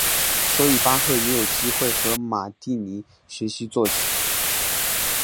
所以巴赫也有机会跟马蒂尼学习作曲。